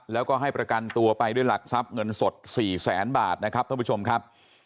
แล้วก็ให้ประกันตัวไปด้วยหลักทรัพย์เงินสด๔แสนบาทนะครับท่านผู้ชมครับ